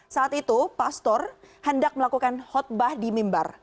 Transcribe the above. saat itu pastor hendak melakukan khutbah di mimbar